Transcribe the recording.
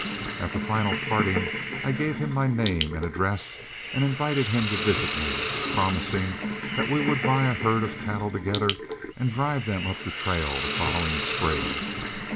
At the final parting, I gave him my name and address and invited him to visit me, promising that we would buy a herd of cattle together and drive them up the trail the following spring.